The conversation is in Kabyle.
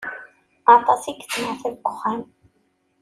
Aṭas i yettneɛtab deg uxeddim.